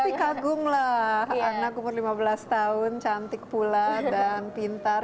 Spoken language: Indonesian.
tapi kagum lah anak umur lima belas tahun cantik pula dan pintar